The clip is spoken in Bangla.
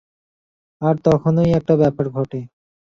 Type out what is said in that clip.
আর তখনই একটা ব্যাপার ঘটে।